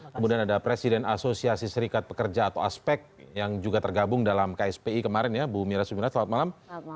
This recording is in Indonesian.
kemudian ada presiden asosiasi serikat pekerja atau aspek yang juga tergabung dalam kspi kemarin ya bu mira sumina selamat malam